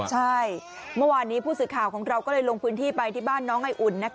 ใช่เมื่อวานนี้ผู้สื่อข่าวของเราก็เลยลงพื้นที่ไปที่บ้านน้องไออุ่น